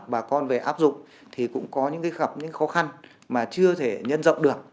bà con về áp dụng thì cũng có những gặp những khó khăn mà chưa thể nhân rộng được